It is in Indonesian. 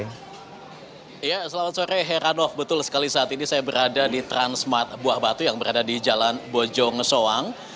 ya selamat sore heranov betul sekali saat ini saya berada di transmart buah batu yang berada di jalan bojong soang